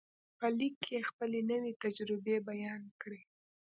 په لیک کې یې خپلې نوې تجربې بیان کړې